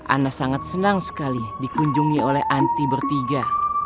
ana sangat senang sekali dikunjungi oleh anti bertiga